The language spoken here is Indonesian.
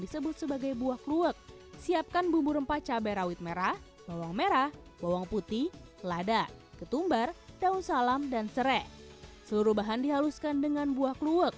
disebut sebagai buah kluwek siapkan bumbu rempah cabai rawit merah bawang merah bawang putih lada